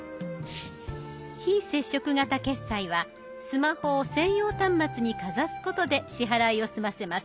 非接触型決済はスマホを専用端末にかざすことで支払いを済ませます。